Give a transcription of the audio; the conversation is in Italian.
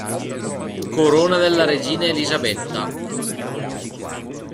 Corona della regina Elisabetta